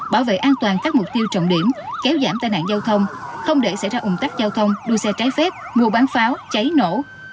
bảo vệ an toàn các mục tiêu trọng điểm kéo giảm tai nạn giao thông không để xảy ra ủng tắc giao thông đua xe trái phép mua bán pháo cháy nổ